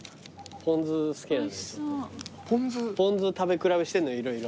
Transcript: ポン酢食べ比べしてんの色々。